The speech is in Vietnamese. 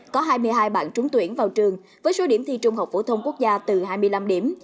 có hai mươi hai bạn trúng tuyển vào trường với số điểm thi trung học phổ thông quốc gia từ hai mươi năm điểm